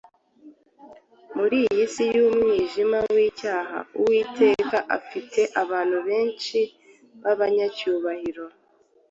Muri iyi si y’umwijima w’icyaha Uwiteka afite abantu benshi b’abanyacyubahiro